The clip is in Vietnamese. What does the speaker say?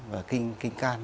và kinh can